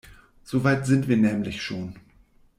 So weit sind wir nämlich schon.